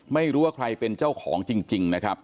ไม่รู้ว่าใครเป็นเจ้าของจริงนะครับ